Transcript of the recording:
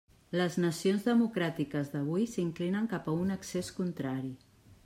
Les nacions democràtiques d'avui s'inclinen cap a un excés contrari.